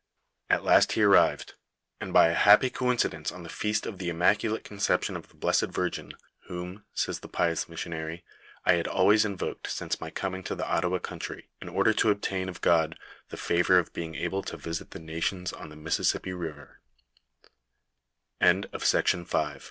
At last he arrived, and by a happy coincidence on the feast of the Immaculate Conception of the blessed Virgin, " whom," says the pious missionary, " I had always invoked since my coming to the Ottawa country, in order to obtain of God the favor of being able to visit the